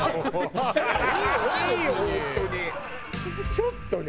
ちょっとね。